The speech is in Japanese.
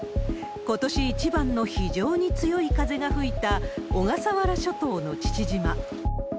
ことし一番の非常に強い風が吹いた小笠原諸島の父島。